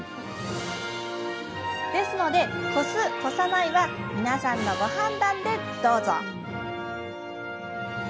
ですので、こす、こさないは皆さんのご判断でどうぞ。